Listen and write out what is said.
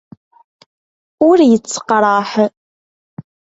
Ur yettaqraḥ.